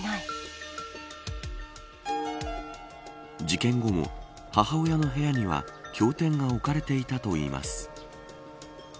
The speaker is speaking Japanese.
事件後も母親の部屋には教典が置かれていたといいます。